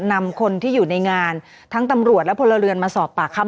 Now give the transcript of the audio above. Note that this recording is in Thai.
นำคนที่อยู่ในงานทั้งตำรวจและพลเรือนมาสอบปากคำ